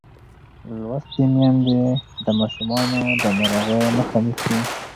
لوستې میندې د ماشومانو د ناروغۍ مخه نیسي.